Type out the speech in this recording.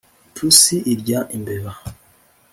Ipusi irya imbeba